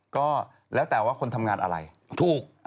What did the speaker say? ก็แล้วแต่ว่าคนทำงานอะไรถูก